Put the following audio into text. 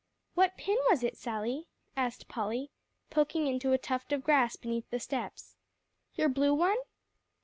"What pin was it, Sally?" asked Polly, poking into a tuft of grass beneath the steps, "your blue one?"